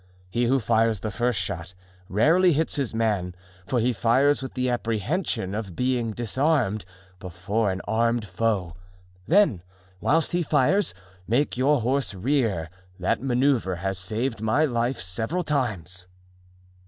He who fires the first shot rarely hits his man, for he fires with the apprehension of being disarmed, before an armed foe; then, whilst he fires, make your horse rear; that manoeuvre has saved my life several times."